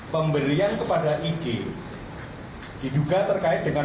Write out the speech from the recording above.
pemberian kepada ig